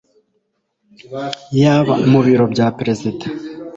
yaba mu Biro bya Perezida,